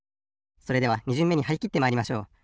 それでは２じゅんめにはりきってまいりましょう。